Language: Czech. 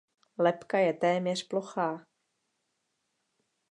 Lebka je téměř plochá.